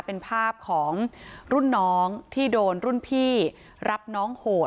เป็นภาพของรุ่นน้องที่โดนรุ่นพี่รับน้องโหด